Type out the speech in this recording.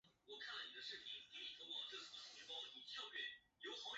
另一项大工程则是位于汉江纛岛游园地的首尔森林公园工程。